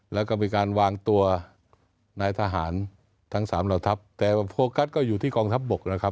แล้วก็มีการวางตัวนายทหารทั้งสามเหล่าทัพแต่ว่าโฟกัสก็อยู่ที่กองทัพบกนะครับ